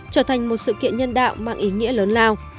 trở thành một sự kiện nhân đạo mang ý nghĩa lớn lao